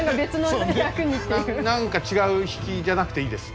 何か違う比企じゃなくていいです。